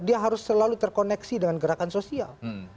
dia harus selalu terkoneksi dengan gerakan sosial